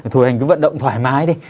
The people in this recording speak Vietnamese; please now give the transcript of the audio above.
thôi anh cứ vận động thoải mái đi